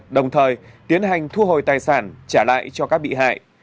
đồng thời tiến hành thu hồi tài sản trả lại cho các bị hại